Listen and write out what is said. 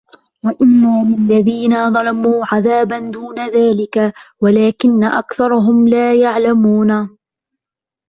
وَإِنَّ لِلَّذِينَ ظَلَمُوا عَذَابًا دُونَ ذَلِكَ وَلَكِنَّ أَكْثَرَهُمْ لا يَعْلَمُونَ